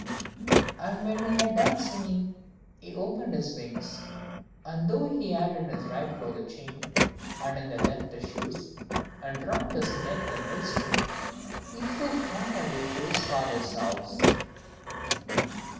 And when he had done singing, he opened his wings, and though he had in his right claw the chain, in his left the shoes, and round his neck the millstone, he flew far away to his father's house.